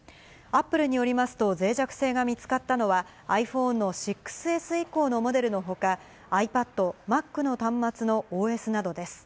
アップルによりますと、ぜい弱性が見つかったのは、ｉＰｈｏｎｅの６Ｓ以降のモデルのほか、ｉＰａｄ、Ｍａｃの端末のＯＳなどです。